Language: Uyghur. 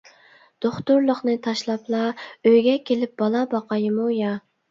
دوختۇرلۇقىنى تاشلاپلا ئۆيگە كېلىپ بالا باقايمۇ يا!